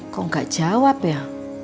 kok gak jawab ya